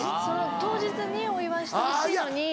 当日にお祝いしてほしいのに。